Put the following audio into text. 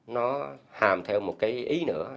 nó hàm theo một cái ý nữa